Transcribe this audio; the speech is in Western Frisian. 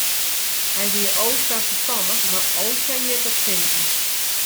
Hy wie o sa ferstannich mar o sa hjit op sinten.